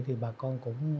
thì bà con cũng